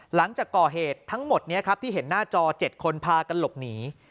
หลังจากก่อเหตุทั้งหมดนี้ครับที่เห็นหน้าจอ๗คนพากันหลบหนี